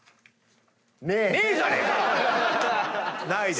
ねえじゃねえか！